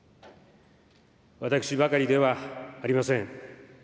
私ばかりではありません。